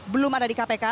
belum ada di kpk